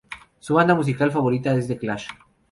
Su banda musical favorita es The Clash.